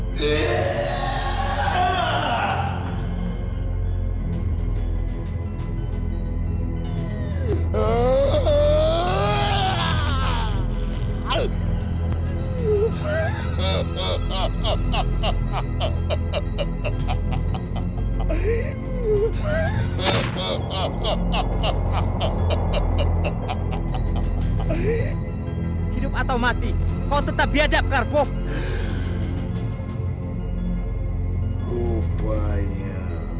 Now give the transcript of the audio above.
sampai jumpa di video selanjutnya